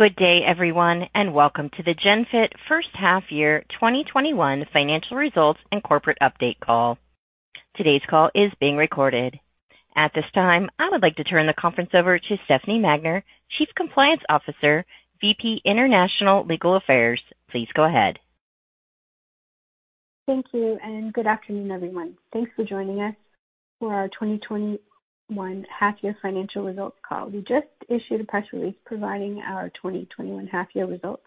Good day everyone, and welcome to the Genfit first half year 2021 financial results and corporate update call. Today's call is being recorded. At this time, I would like to turn the conference over to Stefanie Magner, Chief Compliance Officer, VP International Legal Affairs. Please go ahead. Thank you, good afternoon, everyone. Thanks for joining us for our 2021 half-year financial results call. We just issued a press release providing our 2021 half-year results.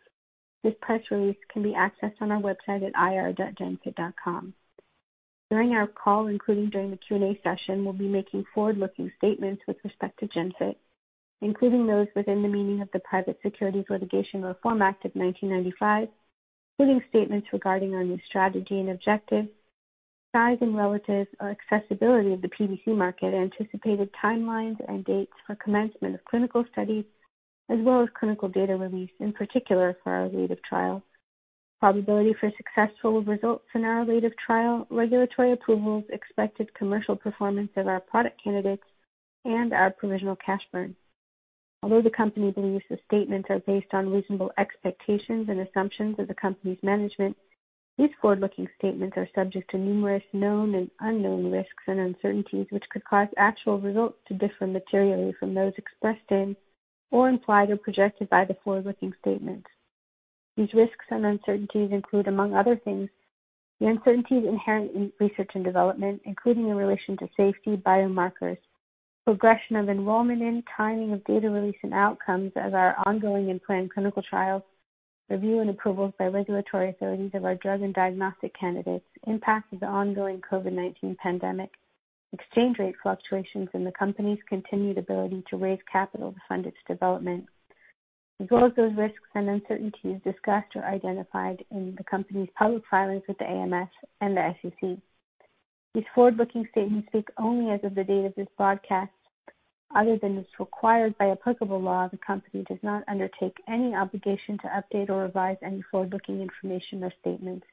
This press release can be accessed on our website at ir.genfit.com. During our call, including during the Q&A session, we'll be making forward-looking statements with respect to Genfit, including those within the meaning of the Private Securities Litigation Reform Act of 1995, including statements regarding our new strategy and objectives, size and relative or accessibility of the PBC market, anticipated timelines and dates for commencement of clinical studies, as well as clinical data release, in particular for our ELATIVE trial, probability for successful results in our ELATIVE trial, regulatory approvals, expected commercial performance of our product candidates, and our provisional cash burns. Although the company believes the statements are based on reasonable expectations and assumptions of the company's management, these forward-looking statements are subject to numerous known and unknown risks and uncertainties which could cause actual results to differ materially from those expressed in or implied or projected by the forward-looking statements. These risks and uncertainties include, among other things, the uncertainties inherent in research and development, including in relation to safety biomarkers, progression of enrollment and timing of data release and outcomes of our ongoing and planned clinical trials, review and approvals by regulatory authorities of our drug and diagnostic candidates, impact of the ongoing COVID-19 pandemic, exchange rate fluctuations in the company's continued ability to raise capital to fund its development, as well as those risks and uncertainties discussed or identified in the company's public filings with the AMF and the SEC. These forward-looking statements speak only as of the date of this broadcast. Other than as required by applicable law, the company does not undertake any obligation to update or revise any forward-looking information or statements,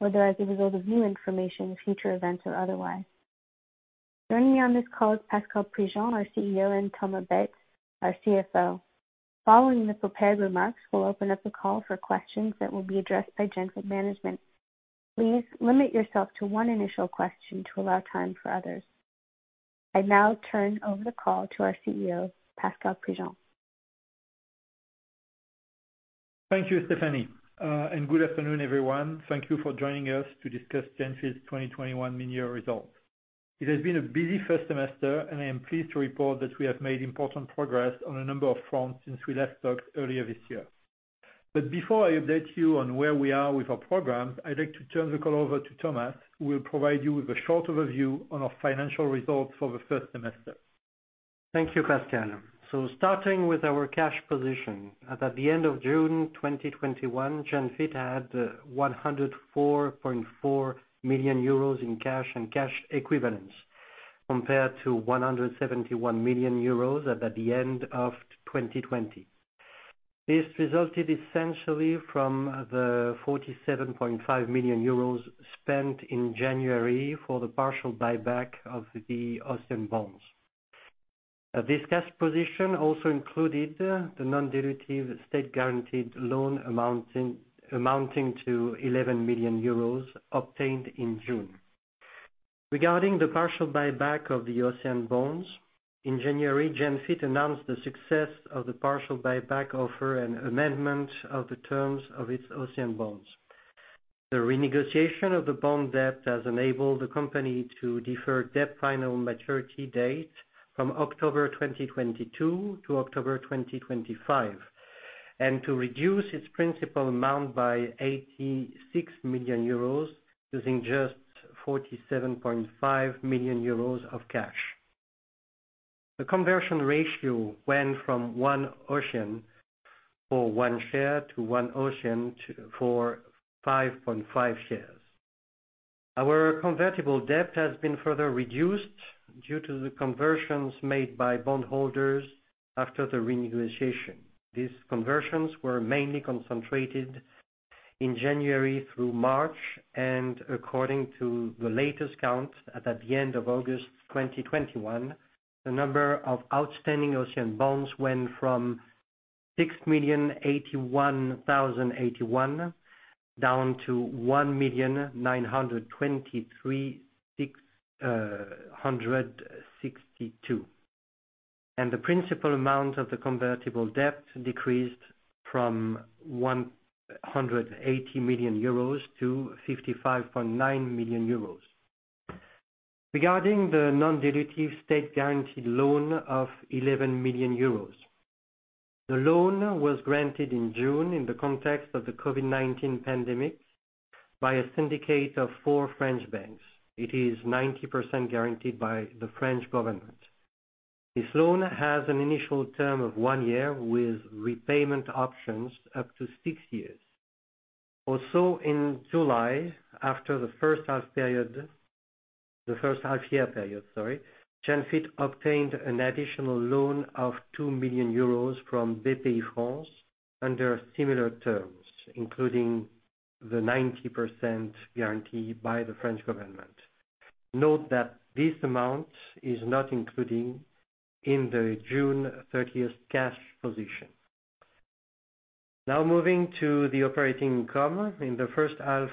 whether as a result of new information, future events, or otherwise. Joining me on this call is Pascal Prigent, our CEO, and Thomas Baetz, our CFO. Following the prepared remarks, we will open up the call for questions that will be addressed by Genfit management. Please limit yourself to one initial question to allow time for others. I now turn over the call to our CEO, Pascal Prigent. Thank you, Stefanie. Good afternoon, everyone. Thank you for joining us to discuss Genfit's 2021 mid-year results. It has been a busy first semester. I am pleased to report that we have made important progress on a number of fronts since we last talked earlier this year. Before I update you on where we are with our program, I'd like to turn the call over to Thomas, who will provide you with a short overview on our financial results for the first semester. Thank you, Pascal. Starting with our cash position. At the end of June 2021, Genfit had 104.4 million euros in cash and cash equivalents, compared to 171 million euros at the end of 2020. This resulted essentially from the 47.5 million euros spent in January for the partial buyback of the OCEANE Bonds. This cash position also included the non-dilutive state-guaranteed loan amounting to 11 million euros obtained in June. Regarding the partial buyback of the OCEANE Bonds, in January, Genfit announced the success of the partial buyback offer and amendment of the terms of its OCEANE Bonds. The renegotiation of the bond debt has enabled the company to defer debt final maturity dates from October 2022 to October 2025 and to reduce its principal amount by 86 million euros using just 47.5 million euros of cash. The conversion ratio went from one OCEANE for one share to one OCEANE for 5.5 shares. Our convertible debt has been further reduced due to the conversions made by bondholders after the renegotiation. These conversions were mainly concentrated in January through March, and according to the latest count at the end of August 2021, the number of outstanding OCEANE Bonds went from 6,081,081 down to 1,923,662, and the principal amount of the convertible debt decreased from 180 million euros to 55.9 million euros. Regarding the non-dilutive state-guaranteed loan of 11 million euros, the loan was granted in June in the context of the COVID-19 pandemic by a syndicate of four French banks. It is 90% guaranteed by the French government. This loan has an initial term of one year with repayment options up to six years. Also in July, after the first half-year period, Genfit obtained an additional loan of 2 million euros from Bpifrance under similar terms, including the 90% guarantee by the French government. Note that this amount is not included in the June 30 cash position. Now moving to the operating income. In the fisrt half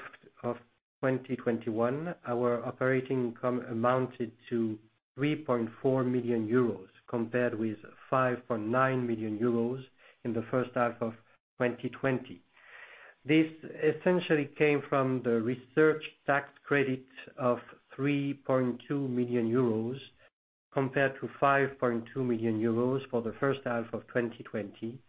of 2021, our operating income amounted to 3.4 million euros, compared with 5.9 million euros in the 1st half of 2020. This essentially came from the research tax credit of 3.2 million euros, compared to 5.2 million euros for the first half of 2020,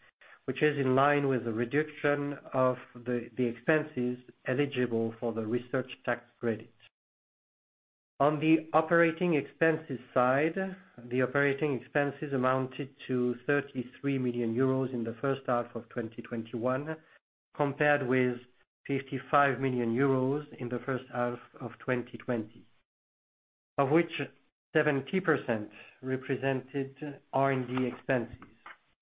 which is in line with the reduction of the expenses eligible for the research tax credit. On the operating expenses side, the operating expenses amounted to 33 million euros in the first half of 2021, compared with 55 million euros in the first half of 2020, of which 70% represented R&D expenses.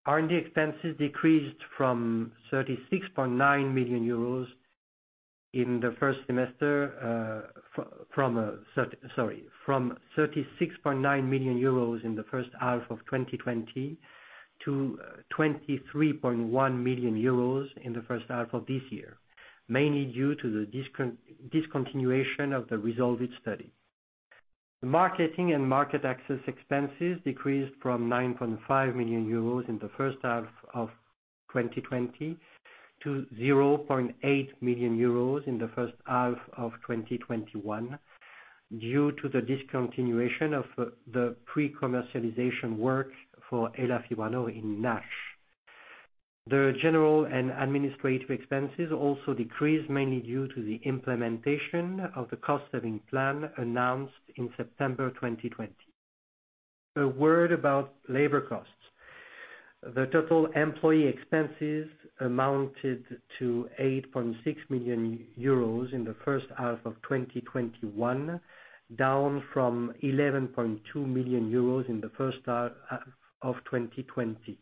R&D expenses decreased from 36.9 million euros in the first half of 2020 to 23.1 million euros in the first half of this year, mainly due to the discontinuation of the RESOLVE-IT study. The marketing and market access expenses decreased from 9.5 million euros in the first half of 2020 to 0.8 million euros in the first half of 2021 due to the discontinuation of the pre-commercialization work for elafibranor in NASH. The general and administrative expenses also decreased, mainly due to the implementation of the cost-saving plan announced in September 2020. A word about labor costs. The total employee expenses amounted to 8.6 million euros in the first half of 2021, down from 11.2 million euros in the first half of 2020.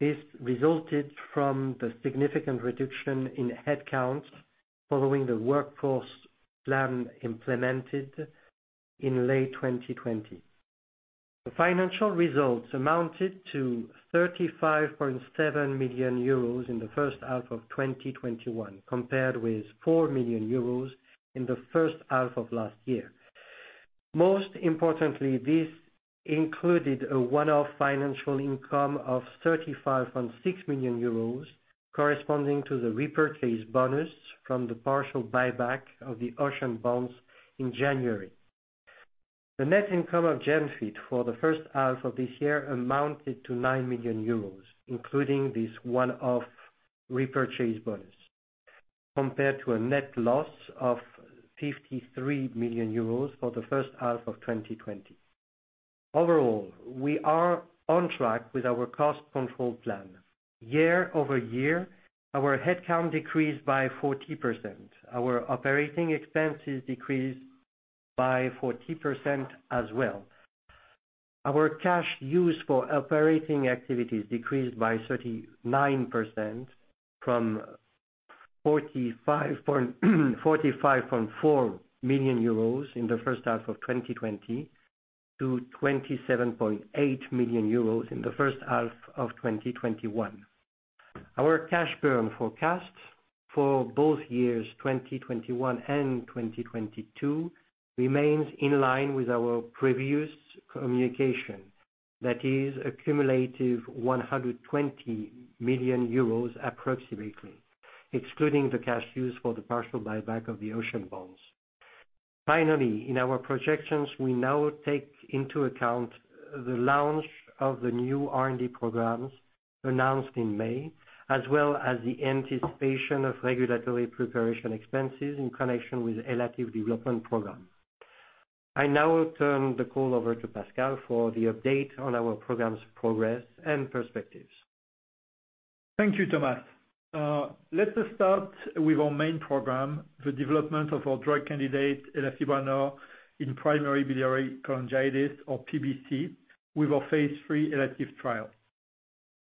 This resulted from the significant reduction in headcount following the workforce plan implemented in late 2020. The financial results amounted to 35.7 million euros in the first half of 2021, compared with 4 million euros in the first half of last year. Most importantly, this included a one-off financial income of 35.6 million euros corresponding to the repurchase bonus from the partial buyback of the OCEANE Bonds in January. The net income of Genfit for the first half of this year amounted to 9 million euros, including this one-off repurchase bonus, compared to a net loss of 53 million euros for the first half of 2020. Overall, we are on track with our cost control plan. Year-over-year, our headcount decreased by 40%. Our operating expenses decreased by 40% as well. Our cash use for operating activities decreased by 39%, from 45.4 million euros in the first half of 2020 to 27.8 million euros in the first half of 2021. Our cash burn forecast for both years, 2021 and 2022, remains in line with our previous communication. That is a cumulative 120 million euros approximately, excluding the cash used for the partial buyback of the OCEANE Bonds. Finally, in our projections, we now take into account the launch of the new R&D programs announced in May, as well as the anticipation of regulatory preparation expenses in connection with ELATIVE development programs. I now turn the call over to Pascal for the update on our program's progress and perspectives. Thank you, Thomas. Let us start with our main program, the development of our drug candidate, elafibranor, in primary biliary cholangitis, or PBC, with our phase III ELATIVE trial.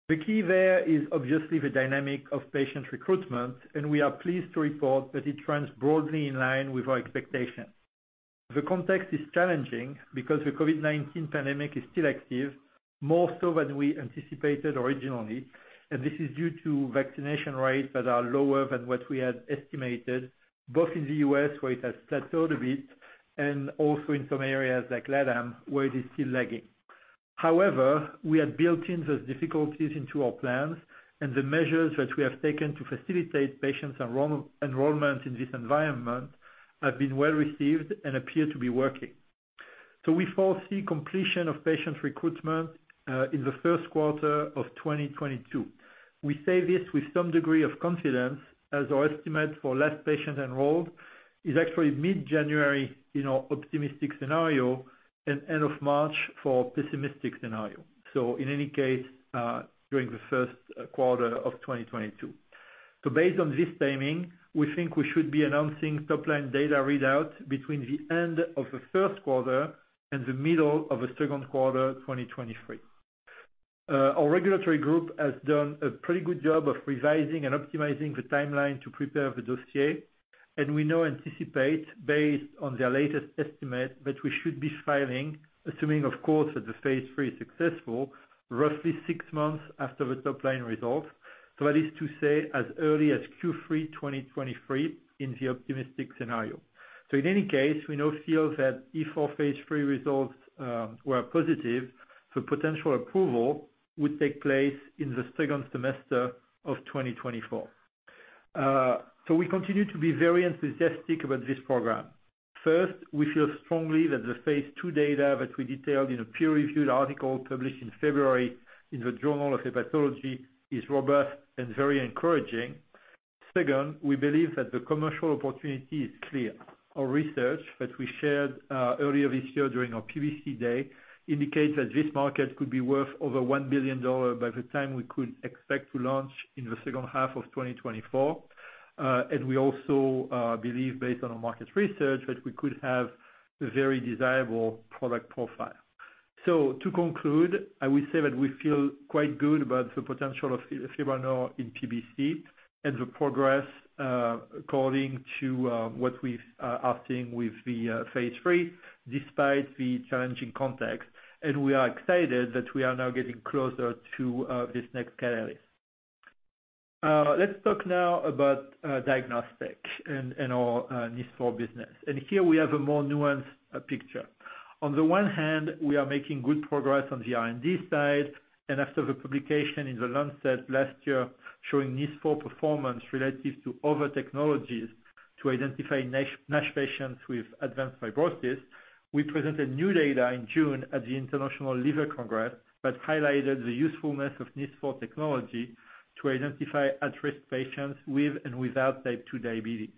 The key there is obviously the dynamic of patient recruitment. We are pleased to report that it runs broadly in line with our expectations. The context is challenging because the COVID-19 pandemic is still active, more so than we anticipated originally. This is due to vaccination rates that are lower than what we had estimated, both in the U.S., where it has plateaued a bit, and also in some areas like LATAM, where it is still lagging. However, we had built in those difficulties into our plans. The measures that we have taken to facilitate patient enrollment in this environment have been well-received and appear to be working. We foresee completion of patient recruitment in the first quarter of 2022. We say this with some degree of confidence as our estimate for less patients enrolled is actually mid-January in our optimistic scenario and end of March for pessimistic scenario. In any case, during the first quarter of 2022. Based on this timing, we think we should be announcing top-line data readout between the end of the first quarter and the middle of the second quarter 2023. Our regulatory group has done a pretty good job of revising and optimizing the timeline to prepare the dossier, and we now anticipate, based on their latest estimate, that we should be filing, assuming of course that the phase III is successful, roughly six months after the top-line results. That is to say as early as Q3 2023 in the optimistic scenario. In any case, we now feel that if our phase III results were positive, the potential approval would take place in the second semester of 2024. We continue to be very enthusiastic about this program. First, we feel strongly that the phase II data that we detailed in a peer-reviewed article published in February in the Journal of Hepatology is robust and very encouraging. Second, we believe that the commercial opportunity is clear. Our research that we shared earlier this year during our PBC day indicates that this market could be worth over $1 billion by the time we could expect to launch in the second half of 2024. We also believe, based on our market research, that we could have a very desirable product profile. To conclude, I will say that we feel quite good about the potential of elafibranor in PBC and the progress according to what we are seeing with the phase III despite the challenging context. We are excited that we are now getting closer to this next catalyst. Let's talk now about diagnostic and our NIS4 business. Here we have a more nuanced picture. On the one hand, we are making good progress on the R&D side, and after the publication in The Lancet last year showing NIS4 performance relative to other technologies to identify NASH patients with advanced fibrosis, we presented new data in June at the International Liver Congress that highlighted the usefulness of NIS4 technology to identify at-risk patients with and without type two diabetes.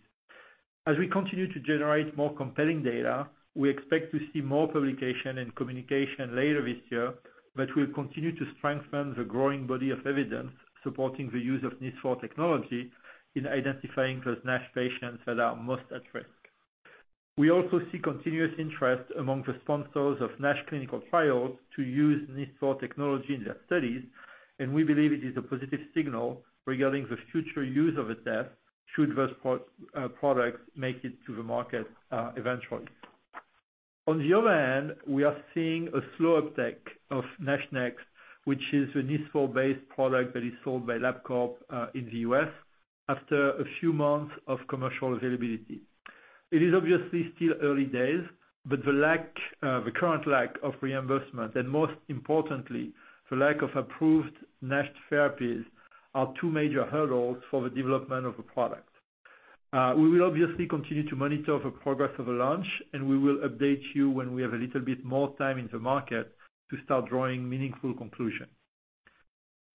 As we continue to generate more compelling data, we expect to see more publication and communication later this year that will continue to strengthen the growing body of evidence supporting the use of NIS4 technology in identifying those NASH patients that are most at risk. We also see continuous interest among the sponsors of NASH clinical trials to use NIS4 technology in their studies, and we believe it is a positive signal regarding the future use of a test should those products make it to the market eventually. On the other hand, we are seeing a slow uptake of NASHnext, which is a NIS4-based product that is sold by Labcorp in the U.S. after a few months of commercial availability. It is obviously still early days, the current lack of reimbursement and most importantly, the lack of approved NASH therapies, are two major hurdles for the development of a product. We will obviously continue to monitor the progress of the launch, and we will update you when we have a little bit more time in the market to start drawing meaningful conclusions.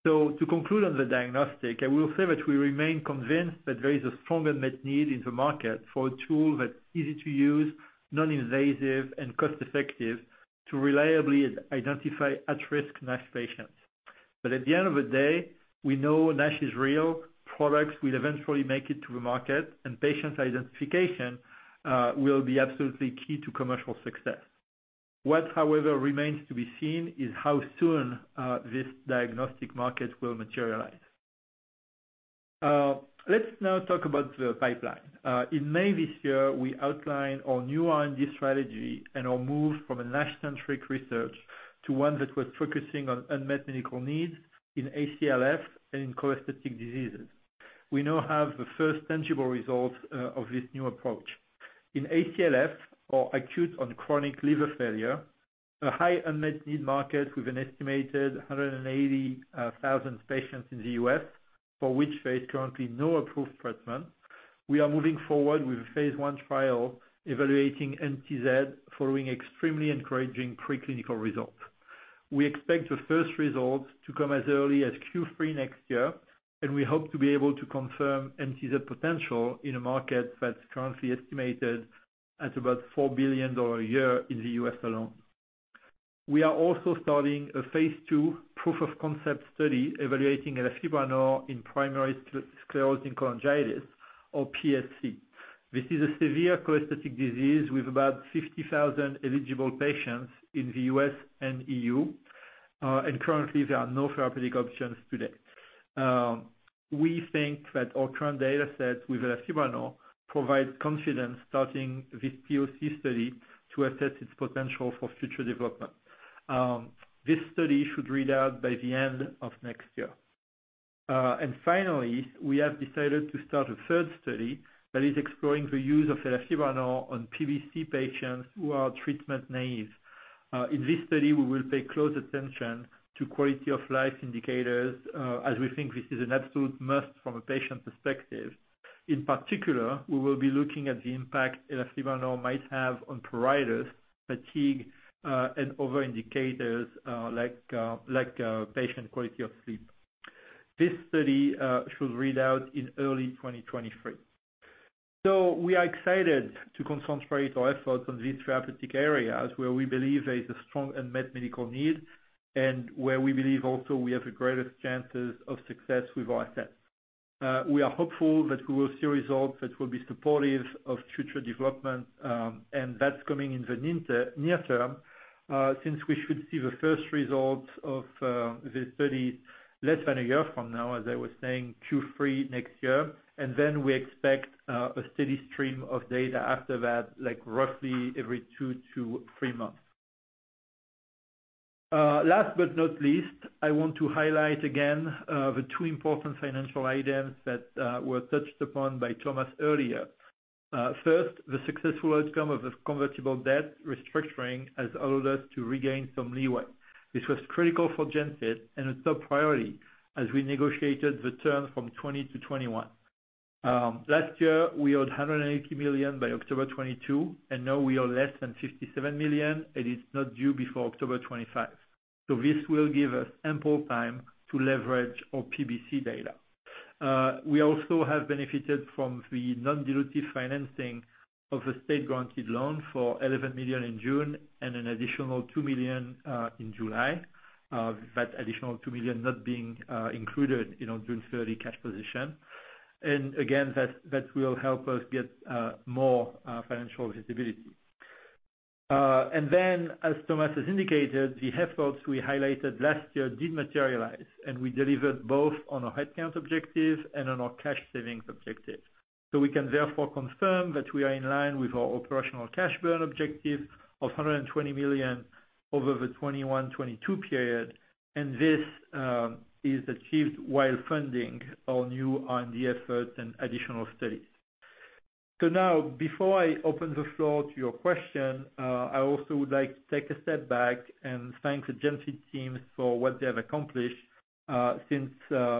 To conclude on the diagnostic, I will say that we remain convinced that there is a strong unmet need in the market for a tool that's easy to use, non-invasive, and cost-effective to reliably identify at-risk NASH patients. At the end of the day, we know NASH is real, products will eventually make it to the market, and patient identification will be absolutely key to commercial success. What, however, remains to be seen is how soon this diagnostic market will materialize. Let's now talk about the pipeline. In May this year, we outlined our new R&D strategy and our move from a NASH-centric research to one that was focusing on unmet medical needs in ACLF and in cholestatic diseases. We now have the first tangible results of this new approach. In ACLF or acute-on-chronic liver failure, a high unmet need market with an estimated 180,000 patients in the U.S. for which there is currently no approved treatment, we are moving forward with a phase I trial evaluating NTZ following extremely encouraging pre-clinical results. We expect the first results to come as early as Q3 next year, and we hope to be able to confirm NTZ potential in a market that's currently estimated at about $4 billion a year in the U.S. alone. We are also starting a phase II proof of concept study evaluating elafibranor in primary sclerosing cholangitis or PSC. This is a severe cholestatic disease with about 50,000 eligible patients in the U.S. and E.U., currently there are no therapeutic options today. We think that our current dataset with elafibranor provides confidence starting this POC study to assess its potential for future development. This study should read out by the end of next year. Finally, we have decided to start a third study that is exploring the use of elafibranor on PBC patients who are treatment naive. In this study, we will pay close attention to quality of life indicators, as we think this is an absolute must from a patient perspective. In particular, we will be looking at the impact elafibranor might have on pruritus, fatigue, and other indicators like patient quality of sleep. This study should read out in early 2023. We are excited to concentrate our efforts on these therapeutic areas where we believe there is a strong unmet medical need, and where we believe also we have the greatest chances of success with our assets. We are hopeful that we will see results that will be supportive of future development. That's coming in the near term, since we should see the first results of the study less than a year from now, as I was saying Q3 next year. We expect a steady stream of data after that, like roughly every two to three months. Last but not least, I want to highlight again, the two important financial items that were touched upon by Thomas earlier. First, the successful outcome of the convertible debt restructuring has allowed us to regain some leeway. This was critical for Genfit and a top priority as we negotiated the term from 2020-2021. Last year, we owed $180 million by October 2022, and now we owe less than $57 million, and it's not due before October 2025. This will give us ample time to leverage our PBC data. We also have benefited from the non-dilutive financing of a state-granted loan for 11 million in June and an additional 2 million in July. That additional 2 million not being included in our June 30 cash position. Again, that will help us get more financial visibility. As Thomas has indicated, the efforts we highlighted last year did materialize, and we delivered both on our headcount objective and on our cash savings objective. We can therefore confirm that we are in line with our operational cash burn objective of 120 million over the 2021, 2022 period. This is achieved while funding our new R&D efforts and additional studies. Now, before I open the floor to your question, I also would like to take a step back and thank the Genfit team for what they have accomplished since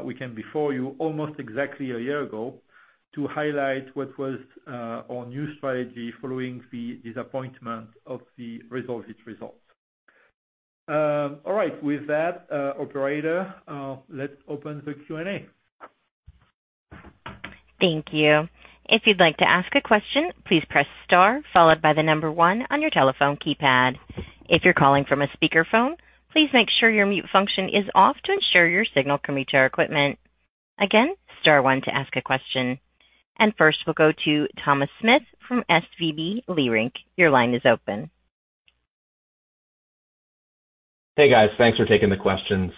we came before you almost exactly a year ago to highlight what was our new strategy following the disappointment of the RESOLVE-IT results. All right. With that, operator, let's open the Q&A. Thank you. If you'd like to ask a question, please press star followed by the number one on your telephone keypad. If you're calling from a speakerphone, please make sure your mute function is off to ensure your signal can reach our equipment. Again, star one to ask a question. And first we'll go to Thomas Smith from SVB Leerink. Your line is open. Hey, guys. Thanks for taking the questions.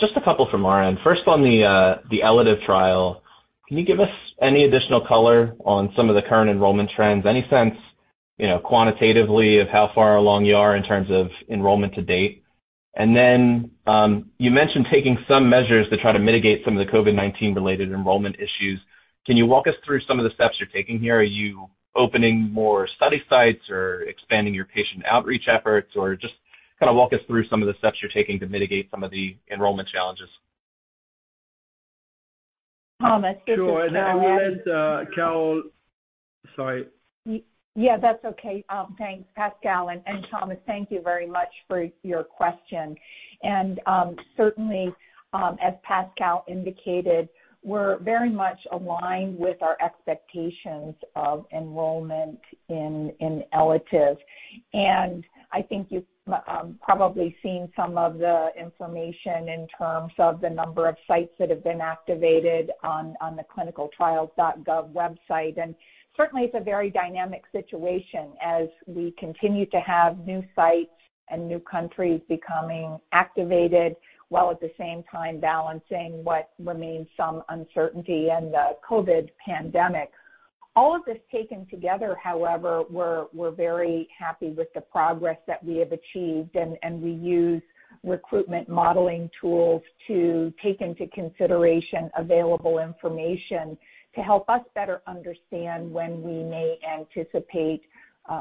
Just two from our end. On the ELATIVE trial, can you give us any additional color on some of the current enrollment trends? Any sense quantitatively of how far along you are in terms of enrollment to date? You mentioned taking some measures to try to mitigate some of the COVID-19 related enrollment issues. Can you walk us through some of the steps you're taking here? Are you opening more study sites or expanding your patient outreach efforts? Just kind of walk us through some of the steps you're taking to mitigate some of the enrollment challenges. Thomas, this is Carol. Sure. I will let Carol. Yeah, that's okay. Thanks, Pascal. Thomas, thank you very much for your question. Certainly, as Pascal indicated, we're very much aligned with our expectations of enrollment in ELATIVE. I think you've probably seen some of the information in terms of the number of sites that have been activated on the ClinicalTrials.gov website. Certainly, it's a very dynamic situation as we continue to have new sites and new countries becoming activated, while at the same time balancing what remains some uncertainty in the COVID pandemic. All of this taken together, however, we're very happy with the progress that we have achieved, and we use recruitment modeling tools to take into consideration available information to help us better understand when we may anticipate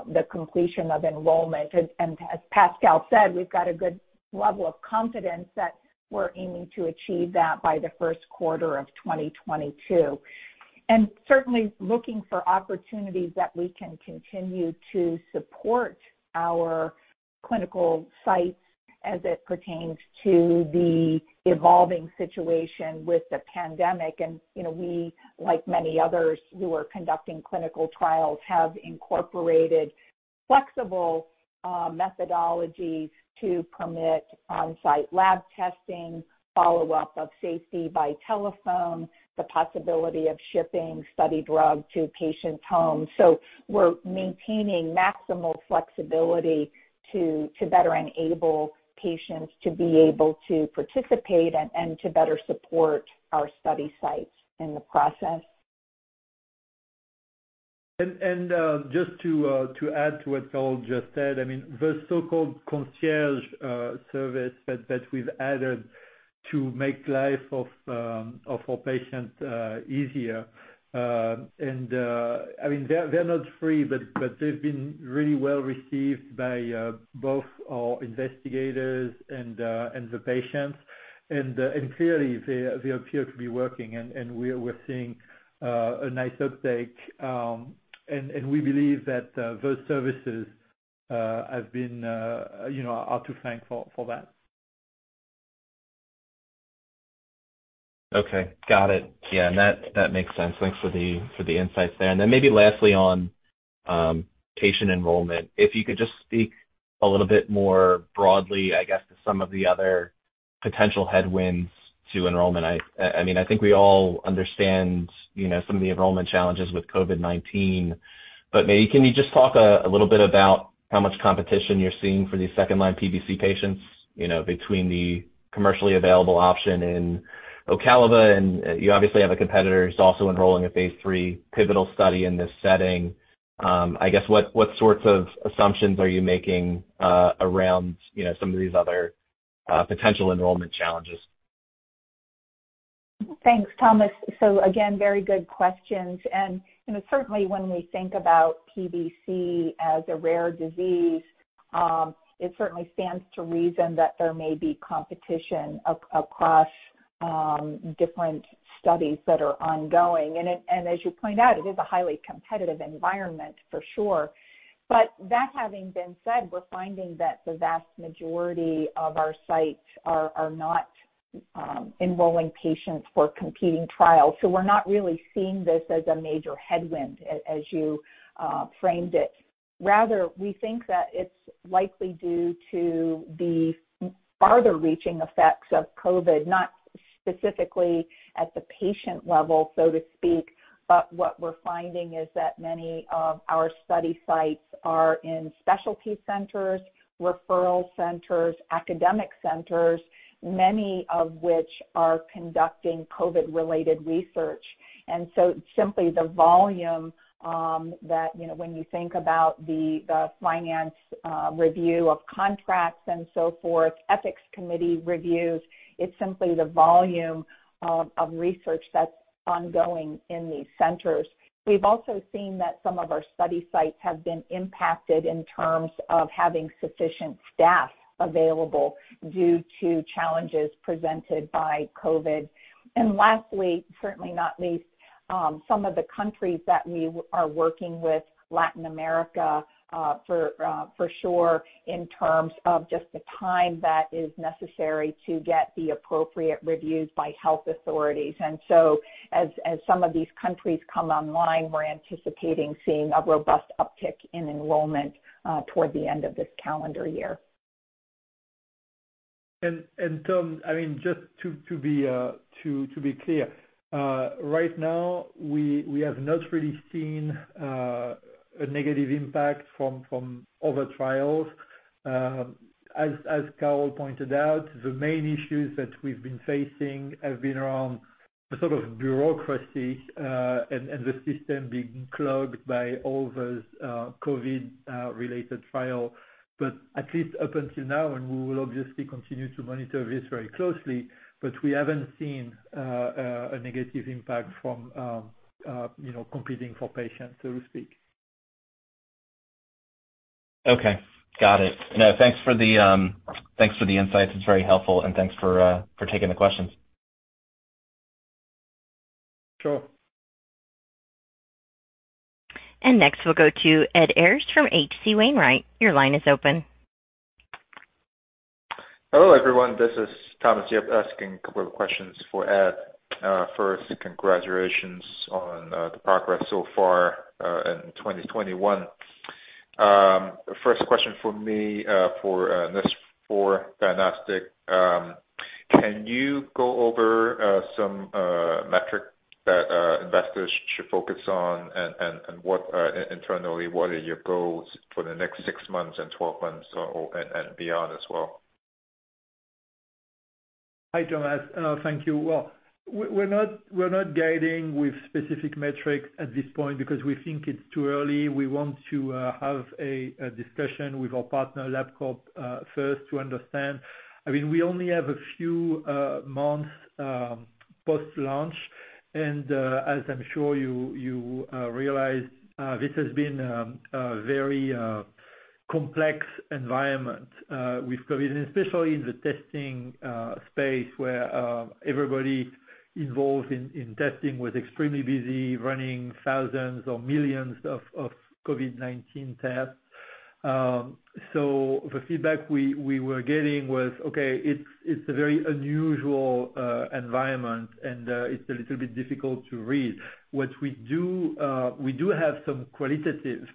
the completion of enrollment. As Pascal said, we've got a good level of confidence that we're aiming to achieve that by the 1st quarter of 2022. Certainly looking for opportunities that we can continue to support our clinical sites as it pertains to the evolving situation with the pandemic. We, like many others who are conducting clinical trials, have incorporated flexible methodologies to permit on-site lab testing, follow-up of safety by telephone, the possibility of shipping study drug to patients' homes. We're maintaining maximal flexibility to better enable patients to be able to participate and to better support our study sites in the process. Just to add to what Carol just said, I mean, the so-called concierge service that we've added to make life of our patient easier. I mean, they're not free, but they've been really well received by both our investigators and the patients. Clearly, they appear to be working, and we're seeing a nice uptake. We believe that those services have been, are to thank for that. Okay. Got it. Yeah. That makes sense. Thanks for the insights there. Maybe lastly on patient enrollment. If you could just speak a little bit more broadly, I guess, to some of the other potential headwinds to enrollment. I think we all understand some of the enrollment challenges with COVID-19, but maybe can you just talk a little bit about how much competition you're seeing for these second-line PBC patients, between the commercially available option in Ocaliva, and you obviously have a competitor who's also enrolling a phase III pivotal study in this setting. I guess, what sorts of assumptions are you making around some of these other potential enrollment challenges? Thanks, Thomas. Again, very good questions. Certainly, when we think about PBC as a rare disease, it certainly stands to reason that there may be competition across different studies that are ongoing. As you point out, it is a highly competitive environment for sure. That having been said, we're finding that the vast majority of our sites are not enrolling patients for competing trials. We're not really seeing this as a major headwind, as you framed it. Rather, we think that it's likely due to the farther-reaching effects of COVID, not specifically at the patient level, so to speak. What we're finding is that many of our study sites are in specialty centers, referral centers, academic centers, many of which are conducting COVID-related research. It's simply the volume that, when you think about the finance review of contracts and so forth, ethics committee reviews, it's simply the volume of research that's ongoing in these centers. We've also seen that some of our study sites have been impacted in terms of having sufficient staff available due to challenges presented by COVID. Lastly, certainly not least, some of the countries that we are working with, Latin America for sure, in terms of just the time that is necessary to get the appropriate reviews by health authorities. As some of these countries come online, we're anticipating seeing a robust uptick in enrollment toward the end of this calendar year. Tom, just to be clear, right now, we have not really seen a negative impact from other trials. As Carol pointed out, the main issues that we've been facing have been around the sort of bureaucracy and the system being clogged by all those COVID-related trial. At least up until now, and we will obviously continue to monitor this very closely, but we haven't seen a negative impact from competing for patients, so to speak. Okay. Got it. No, thanks for the insights. It is very helpful and thanks for taking the questions. Sure. Next we'll go to Ed Arce from H.C. Wainwright. Your line is open. Hello, everyone. This is Thomas. Yep. Asking a couple of questions for Ed. First, congratulations on the progress so far in 2021. First question from me for NASHnext diagnostic. Can you go over some metric that investors should focus on and internally, what are your goals for the next six months and 12 months, and beyond as well? Hi, Thomas. Thank you. Well, we're not guiding with specific metrics at this point because we think it's too early. We want to have a discussion with our partner, Labcorp, first to understand. We only have a few months post-launch, and as I'm sure you realize, this has been a very complex environment with COVID, and especially in the testing space where everybody involved in testing was extremely busy running thousands or millions of COVID-19 tests. The feedback we were getting was, okay, it's a very unusual environment, and it's a little bit difficult to read. We do have some qualitative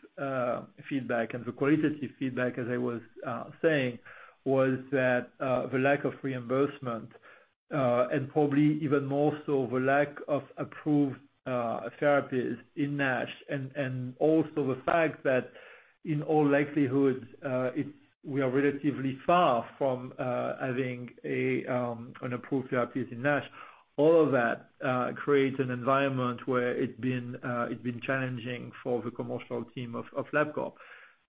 feedback, the qualitative feedback, as I was saying, was that the lack of reimbursement, and probably even more so the lack of approved therapies in NASH. Also the fact that in all likelihood, we are relatively far from having an approved therapies in NASH. All of that creates an environment where it's been challenging for the commercial team of Labcorp.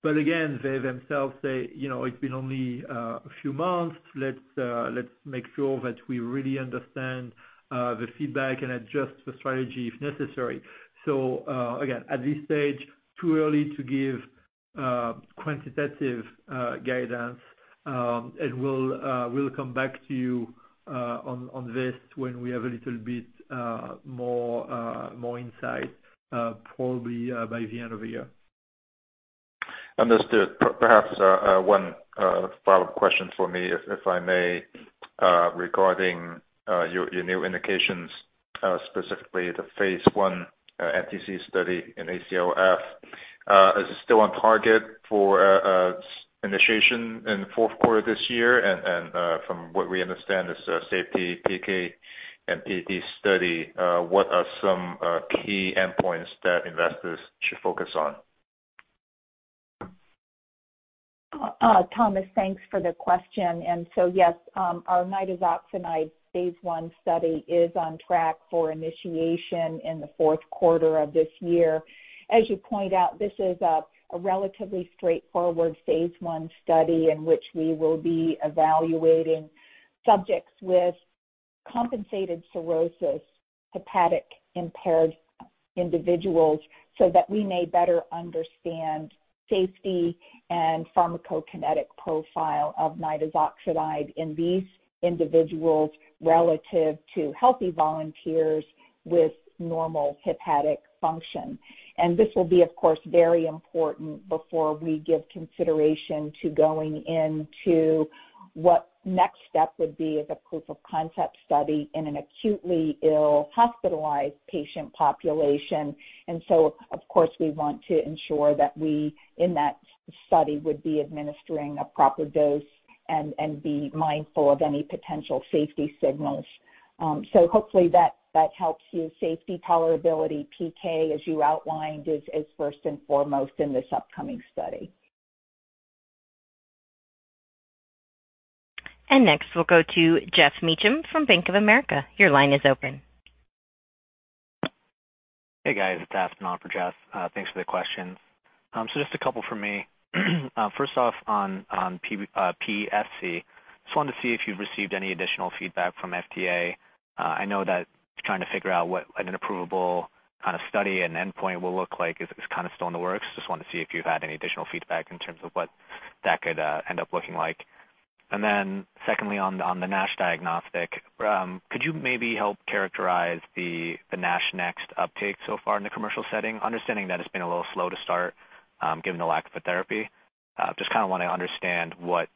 Again, they themselves say, "It's been only a few months. Let's make sure that we really understand the feedback and adjust the strategy if necessary." Again, at this stage, too early to give quantitative guidance. We'll come back to you on this when we have a little bit more insight, probably by the end of the year. Understood. Perhaps one follow-up question for me, if I may, regarding your new indications, specifically the phase I NTZ study in ACLF. Is it still on target for initiation in the fourth quarter of this year? From what we understand, this safety PK and PD study, what are some key endpoints that investors should focus on? Thomas, thanks for the question. Yes, our nitazoxanide phase I study is on track for initiation in the fourth quarter of this year. As you point out, this is a relatively straightforward phase I study in which we will be evaluating subjects with compensated cirrhosis, hepatic impaired individuals, so that we may better understand safety and pharmacokinetic profile of nitazoxanide in these individuals relative to healthy volunteers with normal hepatic function. This will be, of course, very important before we give consideration to going into what next step would be as a proof of concept study in an acutely ill hospitalized patient population. Of course, we want to ensure that we, in that study, would be administering a proper dose and be mindful of any potential safety signals. Hopefully that helps you. Safety tolerability PK, as you outlined, is first and foremost in this upcoming study. Next, we'll go to Geoff Meacham from Bank of America. Your line is open. Hey, guys. It's afternoon for Geoff. Thanks for the questions. Just a couple from me. First off, on PSC, just wanted to see if you've received any additional feedback from FDA. I know that trying to figure out what an approvable kind of study and endpoint will look like is kind of still in the works. Just wanted to see if you've had any additional feedback in terms of what that could end up looking like. Secondly, on the NASH diagnostic, could you maybe help characterize the NASHnext uptake so far in the commercial setting? Understanding that it's been a little slow to start, given the lack of a therapy. Just kind of want to understand what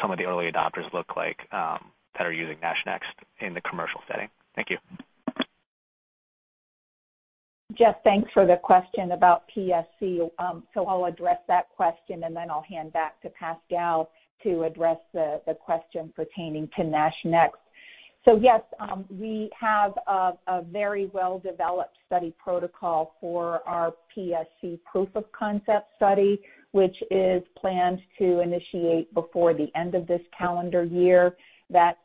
some of the early adopters look like that are using NASHnext in the commercial setting. Thank you. Geoff, thanks for the question about PSC. I'll address that question, and then I'll hand back to Pascal to address the question pertaining to NASHnext. Yes, we have a very well-developed study protocol for our PSC proof of concept study, which is planned to initiate before the end of this calendar year. That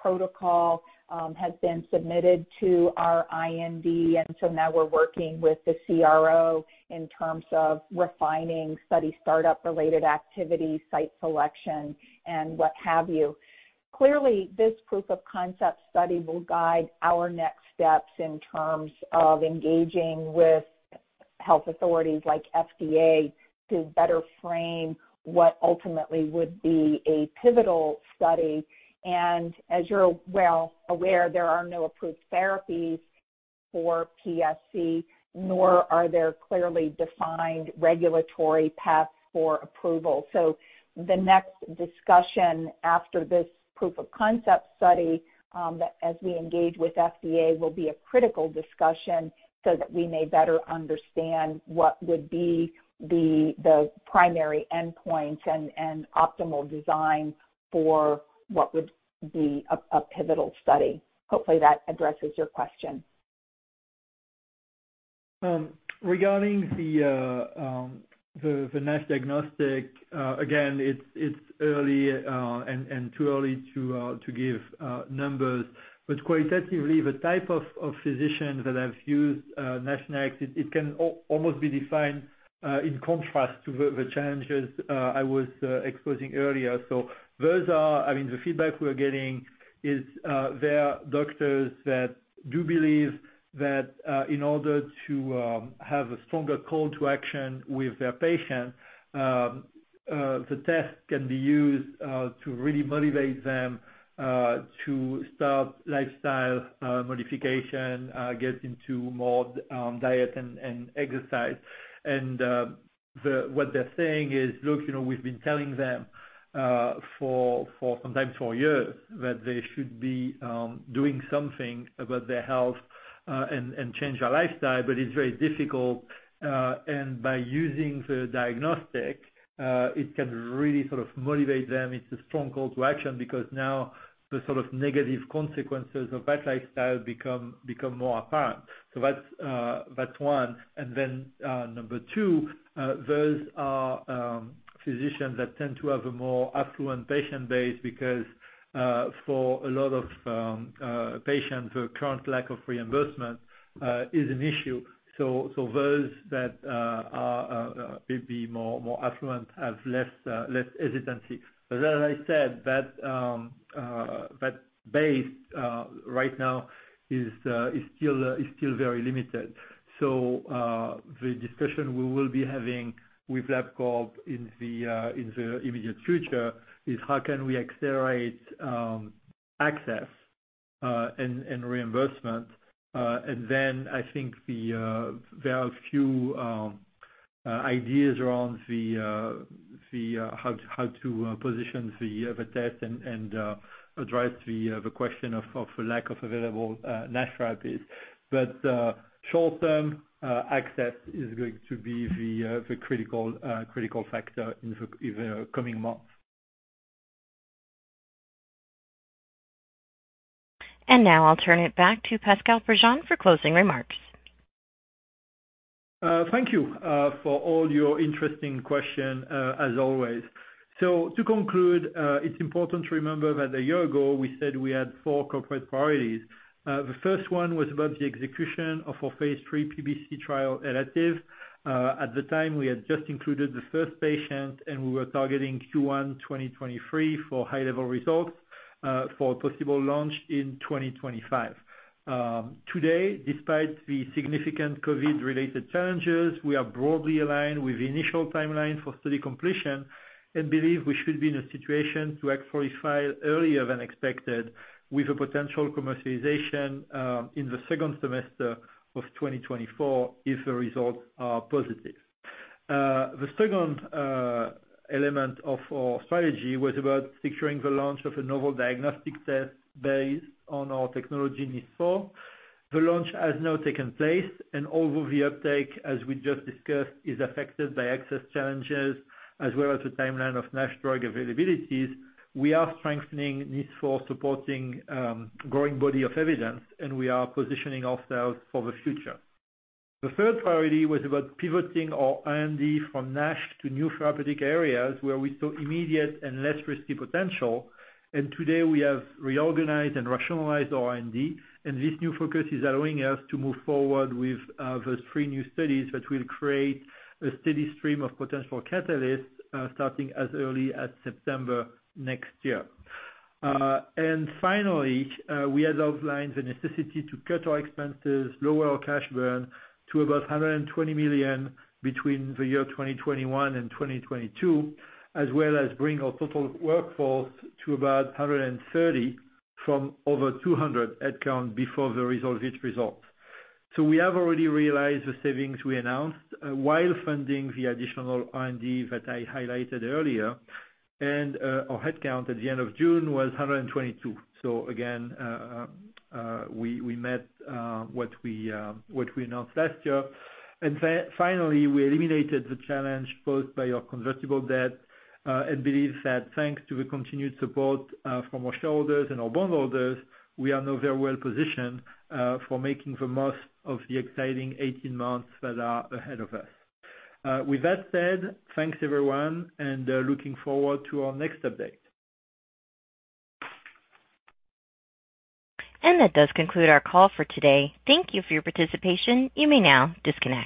protocol has been submitted to our IND, now we're working with the CRO in terms of refining study startup related activity, site selection, and what have you. Clearly, this proof of concept study will guide our next steps in terms of engaging with health authorities like FDA to better frame what ultimately would be a pivotal study. As you're well aware, there are no approved therapies for PSC, nor are there clearly defined regulatory paths for approval. The next discussion after this proof of concept study as we engage with FDA will be a critical discussion so that we may better understand what would be the primary endpoint and optimal design for what would be a pivotal study. Hopefully that addresses your question. Regarding the NASH diagnostic, again, it's early and too early to give numbers. Qualitatively, the type of physician that have used NASHnext, it can almost be defined in contrast to the challenges I was exposing earlier. The feedback we're getting is they are doctors that do believe that in order to have a stronger call to action with their patient, the test can be used to really motivate them to start lifestyle modification, get into more diet and exercise. What they're saying is, "Look, we've been telling them for sometimes four years that they should be doing something about their health and change their lifestyle, but it's very difficult." By using the diagnostic, it can really sort of motivate them. It's a strong call to action because now the sort of negative consequences of that lifestyle become more apparent. That's one. Number two, those are physicians that tend to have a more affluent patient base because for a lot of patients, the current lack of reimbursement is an issue. Those that are maybe more affluent have less hesitancy. As I said, that base right now is still very limited. The discussion we will be having with Labcorp in the immediate future is how can we accelerate access and reimbursement. I think there are a few ideas around how to position the test and address the question of lack of available NASH therapies. Short term, access is going to be the critical factor in the coming months. Now I'll turn it back to Pascal Prigent for closing remarks. Thank you for all your interesting question, as always. To conclude, it's important to remember that a year ago we said we had four corporate priorities. The first one was about the execution of our phase III PBC trial ELATIVE. At the time, we had just included the first patient, and we were targeting Q1 2023 for high-level results for possible launch in 2025. Today, despite the significant COVID-related challenges, we are broadly aligned with the initial timeline for study completion and believe we should be in a situation to actually file earlier than expected with a potential commercialization in the second semester of 2024 if the results are positive. The second element of our strategy was about securing the launch of a novel diagnostic test based on our technology NIS4. Although the uptake, as we just discussed, is affected by access challenges as well as the timeline of NASH drug availabilities, we are strengthening NIS4 supporting growing body of evidence. We are positioning ourselves for the future. The third priority was about pivoting our R&D from NASH to new therapeutic areas where we saw immediate and less risky potential. Today we have reorganized and rationalized our R&D. This new focus is allowing us to move forward with those three new studies that will create a steady stream of potential catalysts starting as early as September next year. Finally, we had outlined the necessity to cut our expenses, lower our cash burn to about 120 million between the year 2021 and 2022, as well as bring our total workforce to about 130 from over 200 headcount before the RESOLVE-IT results. We have already realized the savings we announced while funding the additional R&D that I highlighted earlier. Our headcount at the end of June was 122. Again, we met what we announced last year. Finally, we eliminated the challenge posed by our convertible debt and believe that thanks to the continued support from our shareholders and our bondholders, we are now very well positioned for making the most of the exciting 18 months that are ahead of us. With that said, thanks everyone. Looking forward to our next update. That does conclude our call for today. Thank you for your participation. You may now disconnect.